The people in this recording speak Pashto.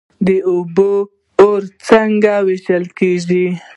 د اوبو وار څنګه ویشل کیږي؟